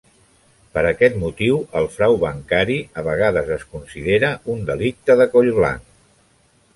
Per aquest motiu, el frau bancari a vegades es considera un delicte de coll blanc.